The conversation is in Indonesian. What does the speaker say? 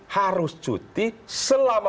harus cuti selama